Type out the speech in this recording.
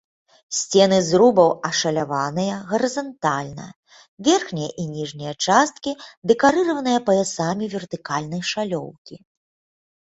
Сцены зрубаў ашаляваныя гарызантальна, верхняя і ніжняя часткі дэкарыраваныя паясамі вертыкальнай шалёўкі.